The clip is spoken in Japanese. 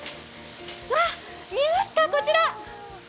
見えますか、こちら。